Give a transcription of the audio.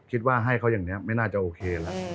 คิดว่าให้เขาอย่างนี้ไม่น่าจะโอเคแล้ว